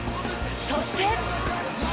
そして。